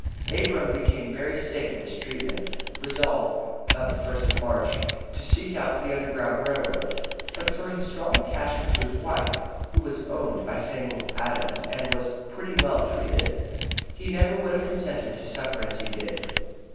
Abram becoming very sick of this treatment, resolved, about the first of March, to seek out the Underground Rail Road. But for his strong attachment to his wife (who was owned by Samuel Adams, but was "pretty well treated"), he never would have consented to suffer as he did.